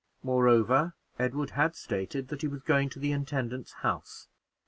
Moreover, Edward had stated that he was going to the intendant's house.